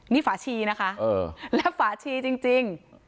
นี่ฝาชีนะคะและฝาชีจริง